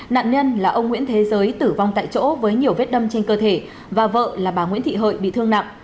nạn nhân là ông nguyễn thế giới tử vong tại chỗ với nhiều vết đâm trên cơ thể và vợ là bà nguyễn thị hợi bị thương nặng